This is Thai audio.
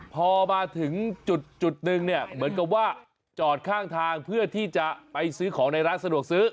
พอมาถึงจุดหนึ่งเนี่ยเหมือนกับว่าจอดข้างทางเพื่อที่จะไปซื้อของในร้านสะดวกซื้อ